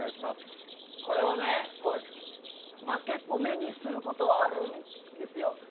これはね、結構目にすることはあるんですよ。